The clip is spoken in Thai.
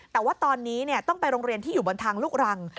แต่ว่าตอนนี้ต้องไปโรงเรียนที่อยู่บนทางลูกรัง